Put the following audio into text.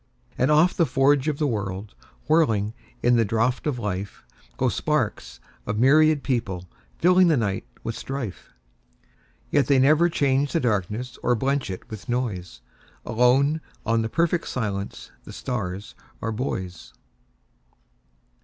And off the forge of the world, Whirling in the draught of life, Go sparks of myriad people, fillingThe night with strife. Yet they never change the darknessOr blench it with noise; Alone on the perfect silenceThe stars are buoys.